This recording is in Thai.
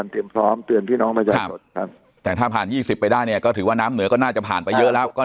ถ้าผ่าน๒๐ไปได้ก็ถือว่าน้ำเหนือก็น่าจะผ่านไปเยอะรัก